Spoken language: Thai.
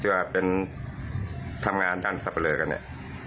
ว่าทำงานด้านสรรพเฉลยกันนี่